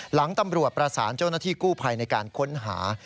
หลังตำรวจประสานเจ้าหน้าที่กู้ภัยในการค้นหา